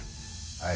はい。